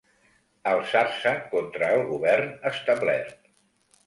Alçar-se contra el govern establert.